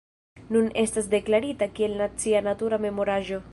Nun estas deklarita kiel nacia natura memoraĵo.